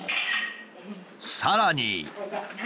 さらに。